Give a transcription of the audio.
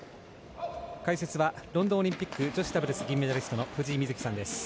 解説はロンドンオリンピック女子ダブルス銀メダリストの藤井瑞希さんです。